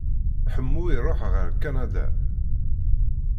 Ḥemmu iruḥ ɣer Kanada.